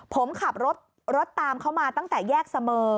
ผมขับรถตามเขามาตั้งแต่แยกเสมอ